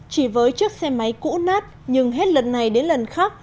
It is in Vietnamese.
chỉ với chiếc xe máy cũ nát nhưng hết lần này đến lần khác